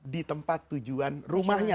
di tempat tujuan rumahnya